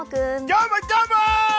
どーも、どーも！